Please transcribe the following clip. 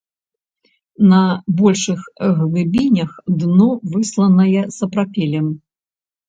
На большых глыбінях дно высланае сапрапелем.